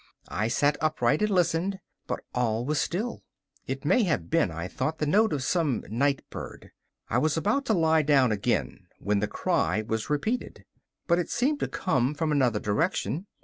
I sat upright and listened, but all was still. It may have been, I thought, the note of some night bird. I was about to lie down again, when the cry was repeated, but it seemed to come from another direction.